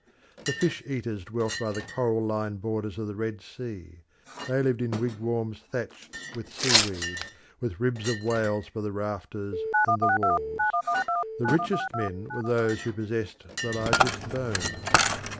The fish eaters dwelt by the coral line borders of the Red Sea; they lived in wigwams thatched with seaweed, with ribs of whales for the rafters and the walls. The richest men were those who possessed the largest bones.